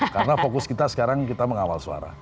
karena fokus kita sekarang kita mengawal suara